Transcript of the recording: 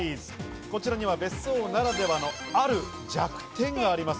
こちらには別荘ならではの、ある弱点があります。